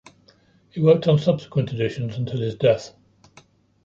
He worked on subsequent editions until his death.